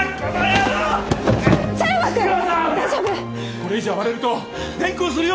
これ以上暴れると連行するよ！